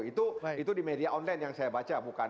itu di media online yang saya baca bukan